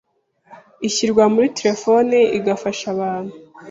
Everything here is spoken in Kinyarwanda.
ishyirwa muri telefone igafasha abantu